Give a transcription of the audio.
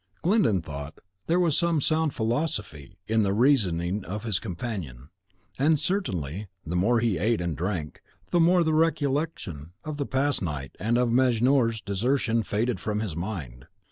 Glyndon thought there was some sound philosophy in the reasoning of his companion; and certainly the more he ate and drank, the more the recollection of the past night and of Mejnour's desertion faded from his mind.